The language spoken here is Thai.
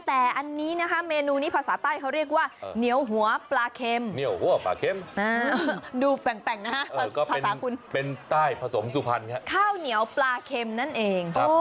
อะไรอย่าง